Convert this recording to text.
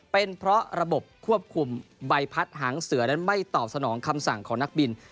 เป็นเพราะระบบควบคุมใบพัดหางเสือนั้นไม่ตอบสนองคำสั่งของนักบิน